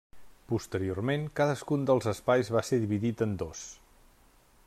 Posteriorment cadascun dels espais va ser dividit en dos.